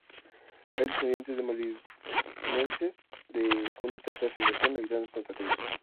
Hay descendientes de malvinenses de segunda y tercera generación habitando en Santa Cruz.